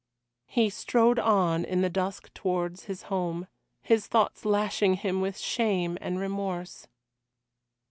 He strode on in the dusk towards his home, his thoughts lashing him with shame and remorse.